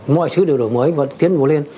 mọi thứ đều đổi mới và tiến hồi lên